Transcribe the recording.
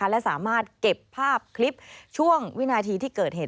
และสามารถเก็บภาพคลิปช่วงวินาทีที่เกิดเหตุ